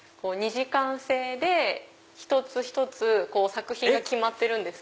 ２時間制で一つ一つ作品が決まってるんですけど。